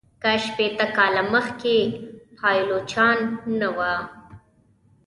که شپیته کاله مخکي پایلوچان نه وه.